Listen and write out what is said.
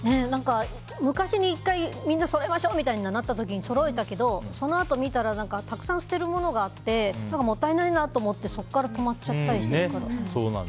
昔、１回みんなそろえましょうってなった時にそろえたけど、そのあと見たらたくさん捨てるものがあってもったいないなと思ってそこから止まっちゃったりしてる。